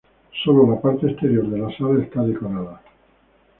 Sólo la parte exterior de la sala está decorada.